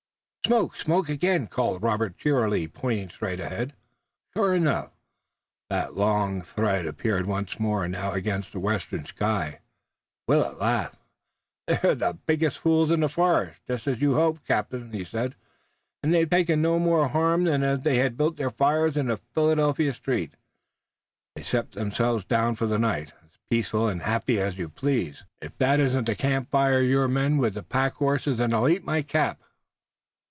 "Smoke! smoke again!" called Robert cheerily, pointing straight ahead. Sure enough, that long dark thread appeared once more, now against the western sky. Willet laughed. "They're the biggest fools in the forest, just as you hoped, Captain," he said, "and they've taken no more harm than if they had built their fires in a Philadelphia street. They've set themselves down for the night, as peaceful and happy as you please. If that isn't the campfire of your men with the pack horses then I'll eat my cap."